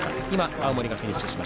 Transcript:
青森、フィニッシュ。